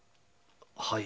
はい。